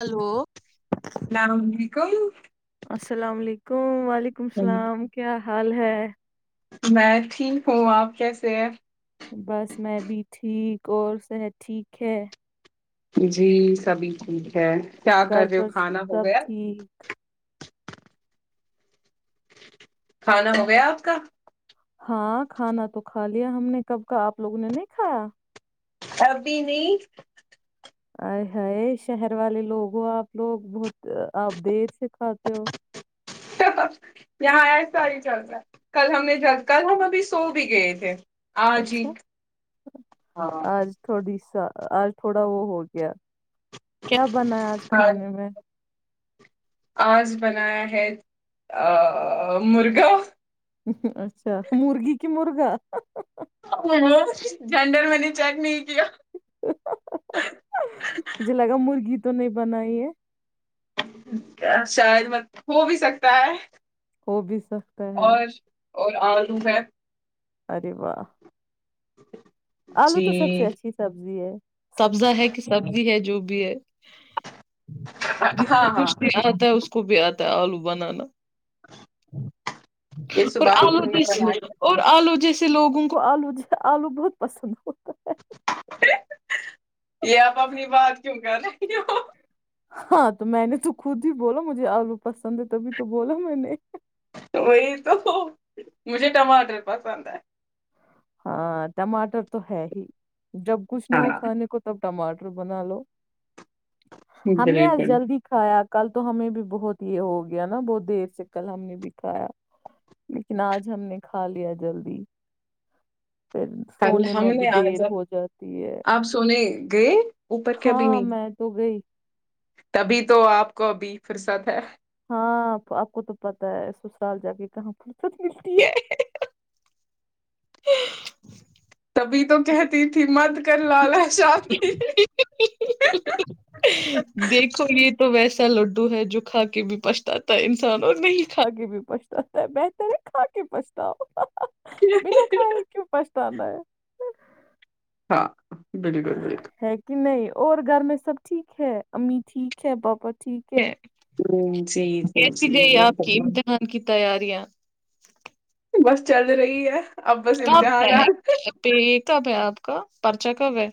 Hello اللام علیکم السلام علیکم۔ [unintelligible] وعلیکم السلام کیا۔۔۔ حال ہے؟ میں ٹھیک ہوں۔ آپ کیسے ہیں؟ بس میں بھی ٹھیک اور صحت ٹھیک ہے؟ جی سبھی ٹھیک ہے۔ کیا کر کر گھر رہے ہو؟ پر کھانا ہو سب گیا؟ ٹھیک کھانا ہو گیا آپ کا؟ ہاں کھانا تو کھا لیا ہم نے کب کا۔ آپ لوگوں نے نہیں کھایا؟ ابھی نہیں۔ اے ہائے شہر والے لوگ ہو آپ لوگ بہت آپ دیر سے کھاتے ہو۔ یہاں ایسا ہی چلتا ہے۔ کل ہم نے ج کل ہم ابھی سو بھی گئے تھے۔ اچھا آج تھوڑی [unintelligible] آج تھوڑا وہ ہو گیا۔۔۔ کیا بنا ہے آج ہاں کھانے میں؟ آج بنایا ہے مرغا۔ اچھا مرغی کہ مرغا؟ جینڈر میں نے چیک نہیں۔۔۔ کیا مجھے لگا مرغی۔۔۔ تو نہیں بنائی ہے۔ شاید مت ہو بھی سکتا ہے۔ ہو بھی سکتا ہے۔ اور اور آلو ہے اری وا [inaudible] الو جی تو سب سے اچھی سبزی ہے سبزا ہے کہ سبزی ہے جو بھی ہے ہاں جس کو ہاں کھ د جاتتا ہے اس کو بھی آتا ہے آلو بنانا یہ اور صبح ہی آلو انہوں نے بنا جس کے اور آلو جس سے لوگوں کو آلو آلو بہت پسند ہو یہ آپ اپنی بات کیوں کر رہی ہو ہاں تو میں نے تو خود ہی بولا مجھے آلو پسند ہے تبھی تو بولا میں نے وہی تو مجھے ٹماٹر پسند ہے ہاں ٹماٹر تو ہے ہی جب کچھ نہ ہو ہاں کھانے کو تب ٹماٹر بنا لو ہم نے آج بالکل جلدی کھایا کل تو ہمیں بھی بہت یہ ہو گیا نا بہت دیر سے کل ہم نے بھی کھایا لیکن آج ہم نے کھا لیا جلدی پھر کل سونے ہم میں بھی نے آ دیر جب ہو جاتی ہے آپ سونے گئے اوپر کےبھی ہاں نہیں میں تو گئی تبھی تو آپ گوبھی فرصت ہے ہاں آپ کو تو پتا ہے سسرال جا کے کہاں فرصت ملتی ہے ابھی تو کہتی تھی مت بات کر لا لا شام کی ایسا لڈو ہے جو کھا کے بھی پچھتاا ہے انسان اور نہیں کھا کے بھی پچتااتا ہے بہتر ہے کھا کے پھتا ہو بنا کائے کی پس تادا ہے [unintelligible] ساک [unintelligible] بالکل بالکل ہے کہ نہیں اور گھر میں سب ٹھیک ہے امی ٹھیک ہے پاپا ٹھیک ہے ہوں جی جی کیسی جی گئی وہ آپ کی امتحان کی تیاریاں بس چل رہی ہے اب بس سب امتحانات ہے کب ہے آپ کا پرچا کب ہے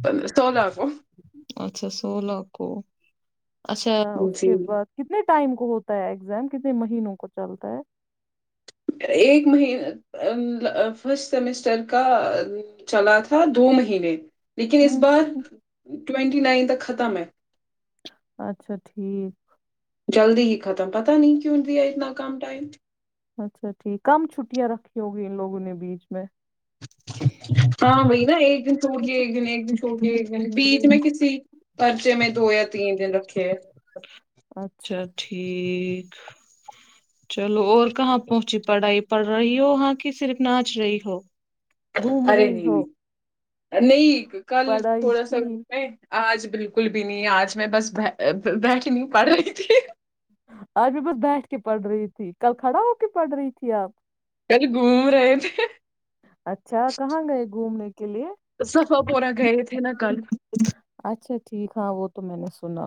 پ سولہ آ کو تو اچھا اس کے جی بعد کتنے ٹائم کو ہوتا ہے ایگزام کتنے مہینوں کو چلتا ہے ایک مہ فرسٹ سیمسٹر کا چلا تھا دو مہینے لیکن اس ہوں بار ٹوونٹی نائن تک ختم ہے اچھا ٹھیک جلدی ہی ختم پت نہیں کیوںٹ ہے اتنا کم ٹائم اچھا ٹھیک کم چھٹیاں رکھی ہوگی ان لوگوں نے بیچ میں ہاں بھائی نا ایک دن چھوٹ کے ایک دن ایک دن چھوٹ کے ایک دن بیچ میں کسی پرچے میں دو یا تین دن رکھے ہے اچھا ٹھیک چلو اور کہاں پہنچی پڑھائی پڑھ رہی ہو وہاں کی صرف ناچ رہی ہو گھوم ارے رہی نہیں ہو بھی نہیں کل پڑھائی تھوڑا سا کی آج بالکل بھی نہیں آج میں بس بیٹھ نہیںوں پڑھ رہی تھی آج میں بس بیٹھ کے پڑھ رہی تھی کل کھڑا ہو کے پڑھ رہی تھی آپ کل گھوم رہے تھے اچھا کہاں گئے گھومنے کے لیے سفا پورا گئے تھے نا کل اچھا ٹھیک ہاں وہ تو میں نے شنا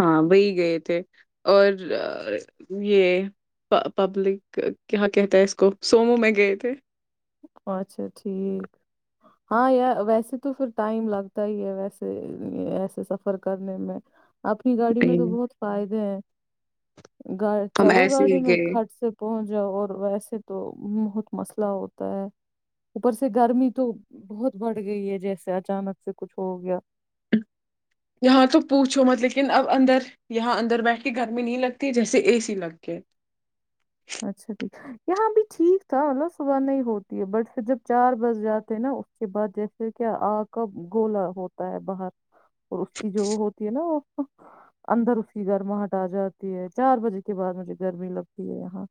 ہاں وہی گئے تھے اور یہ پبلک کیا کہتا ہے اس کو سومو میں گئے تھے اچھا ٹھیک ہاں ویسے تو پھر ٹائم لگتا ہی ہے ویسے ایسے سفر کرنے میں اپنی گاڑی میں تو نہیں بہت فائدے ہیں گا ہم چڑھو ایسے ہی گاڑی میں گئے کھٹ سے پہنچ جاؤ اور ویسے تو بہت مسئلہ ہو ہو اوپر سے گرمی تو بہت بڑھ گئی ہے جیسے اچانک سے کچھ ہو گیا یہاں تو پوچھو مت لیکن اب اندر یہاں اندر بیٹھ کے گرمی نہیں لگتی جیسے اے سی لگ کے اچھا ٹھیک یہاں بھی ٹھیک تھا مطلب صبح نہیں ہوتی ہے بٹ پھر جب چار بج جاتے ہیں نا اس کے بعد جیسے کیا آگ کا گولا ہوتا ہے باہر اور اس کی جو ہوتی ہے نا وہ اندر اس کی گرماہٹ آ جاتی ہے چار بجے کے بعد مجھے گرمی لگتی ہے یہاں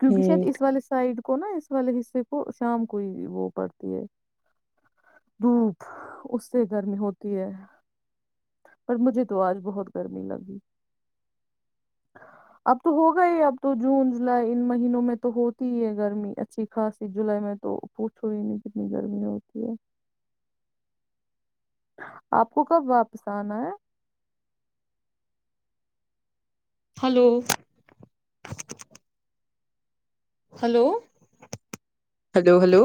کیونکہ شاید ہوں اس والے سائڈ کو نا اس والے حصے کو شام کو ہی وہ پڑتی ہے دھوپ اس سے گرمی ہوتی ہے پر مجھے تو آج بہت گرمی لگی اب تو ہوگا ہی اب تو جون جولائی ان مہینوں میں تو ہوتی ہی ہے گرمی اچھی خاصی جولائی میں تو پوچھو ہی نہیں کتنی گرمی ہوتی ہے آپ کو کب واپس آنا ہے hello hello hello hello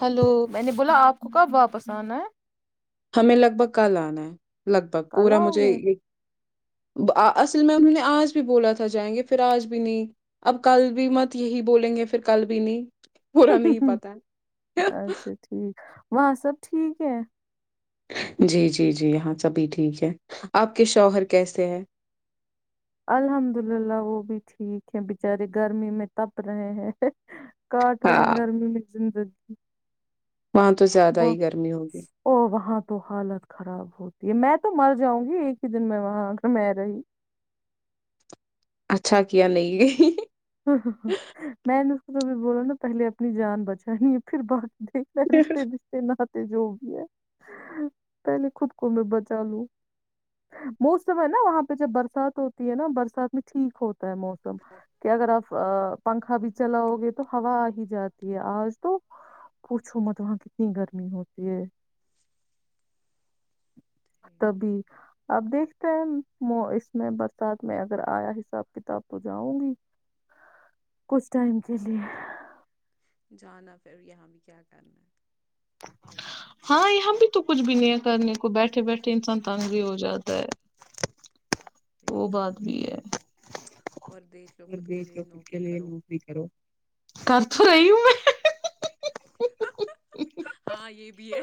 hello میں نے بولا آپ ب کب واپس آنیں ہمیں لگ بھگ کل آنا ہے لگ بھگ کل پورا آؤ مجھے ایک اصل میں انہوں نے آج بھی بولا تھا جائیں گے پھر آج بھی نہیں اب کل بھی مت یہی بولیں گے پھر کل بھی نہیں پورا نہیں پتا ہے اچھا ٹھیک وہاں سب ٹھیک ہے جی جی جی یہاں سبھی ٹھیک ہے آپ کے شوہر کیسے ہے الحمدللہ وہ بھی ٹھیک ہیں بیچارے گھر میں میں تپ رہے ہیں کاٹ رہے ہیں ہاں۔ گرمی میں زندگی جی وہاں تو زیادہ ہی گرمی ہوگی، اور وہاں تو حالت خراب ہوتی میں تو مر جاؤں گی ایک ہی دن میں وہاں گ میں رہی اچھا کیا نہیں میں ن توبھی بولا نا پہلے اپنی جان بچانی ہے پھر بقی دیکھ رشتے بستے نہ جو بھی ہے پہلے خود کو میں بچا لوں موسٹف ہے نا وہاں پہ جب برسات ہوتی ہے نا برسات میں ٹھیک ہوتی موسم کہ اگر آپ پنکھا بھی چلاؤ گے تو ہوا آ ہی جاتی ہے آج تو پوچھو مت وہاں کتنی گرمی ہوتی ہے جی، تبھی اب اس میں برسات میں اگر ایا حساب کتاب ہو جاؤں گی کس ٹائم کے لیے جانا پھر یہاں بھی کیا کرنا ہے ہاں یہاں بھی تو کچھ بھی نہیں ہے کرنے کو بیٹھے بیٹھے انسان تانگی ہو جاتا ہے وہی وہ نا بات بھی ہے اور دیکھ لو م خود کے دیکھ لیے کے نوکری لی کرو۔ لو بھی کرو کر تو رہی ہوں میں ہاں یہ بھی بھی ہے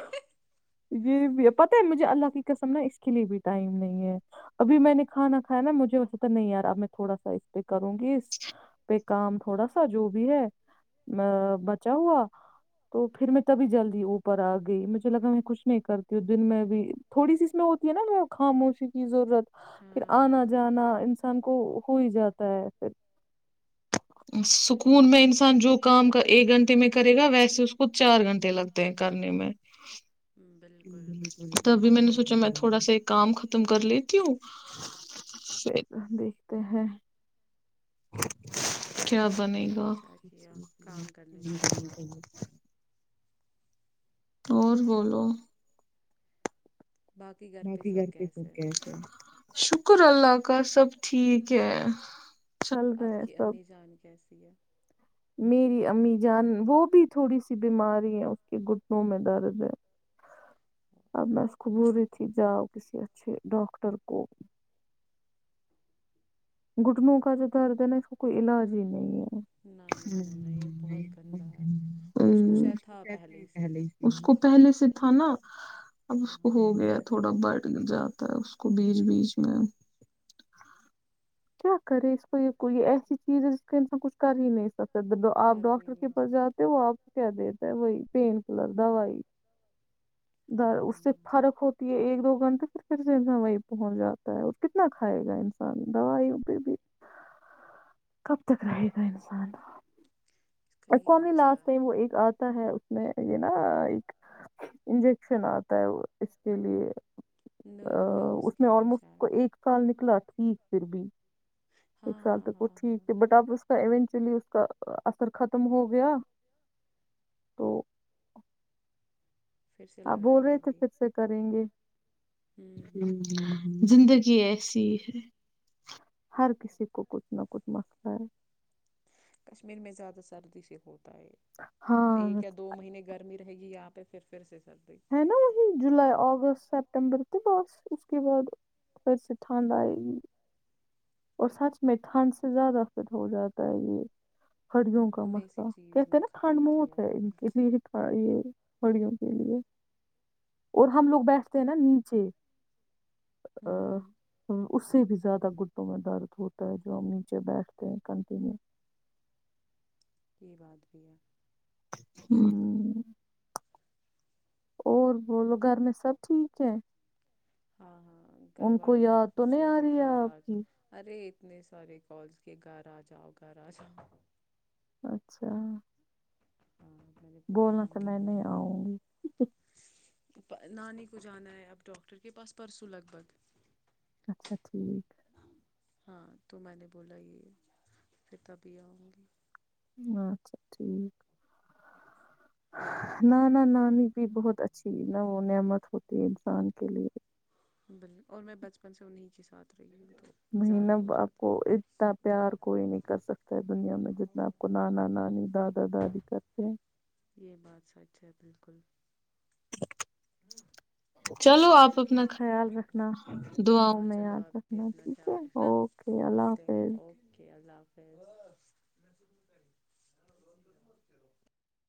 یہ پتا مجھے اللہ کی قسم نا اس کے لیے بھی ٹائم نہیں ہے ابھی میں نے کھانا کھایا نا مجھے وسا نہیں یار اب میں تھوڑا سا اس پہ کروں گی اس پہ کام تھوڑا سا جو بھی ہے بچا ہوا تو پھر میں تبھی جلدی اوپر آ گئی مجھے لگا میں کچھ نہیں کرتی ہ دن میں بھی تھوڑی سی اس میں ہوتی ہے نا خاموشی کی ضرورت پھر ہاں ہاں آنا ہاں جانا انسان کو ہو ہی جاتا ہے پھر سکون میں انسان جو کام کا ایک گھنٹے میں کرے گا ویسے اس کو چار گھنٹے لگتے ہیں کرنے میں بالکل بالکل یہ بات تبھی میں نے برابر سوچا ہے میں تھوڑا سا کام ختم کر لیتی ہوں یہ تو دیکھتے ہیں کیا بنے گا اچھا کیا کام کرنے چاہیے اور بولو پہ باقی گھر سب کے کیسے ہیں خے شکر اللہ کا سب ٹھیک کہ آپ کی امی جان کیسی ہے میری امی جان وہ بھی تھوڑی سی بیماری ہے اس کے گھٹنوں میں درد ہے اب میں اس کو بول رہی تھی جاؤ کسی اچھے ڈاکٹر کو گٹنوں کا جو درد ہے نا اس کو کوئی علاج ہی نہیں ہے نہ نہ نہ نہ یہ بہت گندا ہے اور اس کو شاید تھا پہلے ہی سے ہی اس کو پہلے سے تھا نا اب ہاں اس کو ہاں ہو گیا تھوڑا بڑ ل جاتا ہے اس کو بیچ بیچ میں کیا کرے اس کو یہ یہ ایسی چیز ہے جس کا انسان کچھ کر ہی نہیں آپ کر بھی ڈاکٹر کے نہیں پس جاتے سکتا وہ آپ کہ دتے بی پینین کلر د وائی ہاں در اس سے ہاں فرق ہوتی ہے ایک دو گھنٹہ پھر پھر سے انسان وہی پہنچ جاتا ہے اور کتنا کھائے گا انسان دوائیوں پہ بھی کب تک رہے گا انسان اس کا یہی ا مسئلہ لاسٹ ہے ٹائم وہ ایک آتا ہے میں یہ نا ایک انجیکشن آتا ہے اس کے لیے ن ا نروز اس کے میں لیے آلموسٹ شاید کو ایک سال نکلا تھا ٹیک پھر بھی ایک ہاں سال ہاں تک وہ ہاں ٹھیک ہاں تھ بٹ آپ اس کا ایونچولی اس کا ار ختم ہو گیا تو پھر سے آپ بول لگائیں رہے گے تھے بھائی پھر سے کریں گے ہوں ہوں ہوں زندگی ہے ایسی ہے ہر کسی کو کچھ نہ کچھ مسئلہ ہے کشمیر میں زیادہ سردی سے ہوتی ہاں ایک یا دو مہینے گرمی رہے گی آپ تو پھرھر سے سردی ہے نا وہی جولائی اگستٹ سپتمبر تھ باس اس کے بعد پھر سے ٹھنڈ آئے گی اور سچ میں ٹھنڈ سے زیادہ پھر ہو جاتا ہے یہ ہریوں کا ہمیں اسی مسئلہ چیز کہتے نے نا ٹھنڈ ختم کیا موت ہے ان کے لیے یہ گڑیوں کے لیے اور ہم لوگ بیٹھتے ہیں نا نیچے ا ہوں ہوں ہ اس سے بھی زیادہ گ وں میں درد ہوتا ہے جو ہم نیچے بیٹھتے ہیں کنٹی میں یہ بات بھی ہے ہ اور بولو گھر میں سب ٹھیک ہے ہاں ہاں گھر ان کو والی بھی یاد تو پوچھ نہیں رہے آ تھے رہی ہے گاہ آپ راج کی ارے اتنے سارے کالس کے گھر آ جاؤ گھر آ جاؤ اچھا ہاں میں نے بولا بولنا آؤں تو گی میں نہیں آؤں گی نانی کو جانا ہے اب ڈاکٹر کے پاس پرسوں لگ بھگ اچھا ٹھیک ہاں تو میں نے بولا یہ پھر تبھی آؤں گی اچھا ٹھیک نہ نہ نہ نہیں بھی بہت اچھی نہ وہ نعمت ہوتی ہے انسان کے لیے بالل اور میں بچپن سے انہیں کے ساتھ رہی ہوں تو زیادہ مینب ہو آپ جاتا کو اتنا پیار کوئی نہیں کر سکتا ہے دنیا میں جتنا آپ کو نانا نانی دادا دادی کرتے ہیں یہ بات سچ ہے بالکل چلو آپ اپنا خیال رکھنا دعاں ہاں میں چلو یاد آپ بھی رکھنا اپنا ٹھیک ہے خیال رکھنا اوکے اللہ ملتے ہیں حافظ اوکے اللہ حافظ [inaudible]